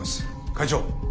会長。